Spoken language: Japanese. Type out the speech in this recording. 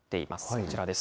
こちらです。